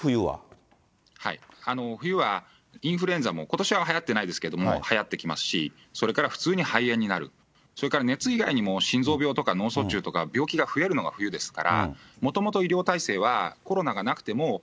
はい、冬はインフルエンザも、ことしははやってないですけれども、はやってきますし、それから普通に肺炎になる、それから熱以外にも、心臓病とか脳卒中とか病気が増えるのが冬で